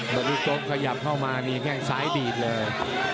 บริกรมขยับเข้ามานี่แค่สายบีดเลย